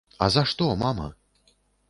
А за што, мама?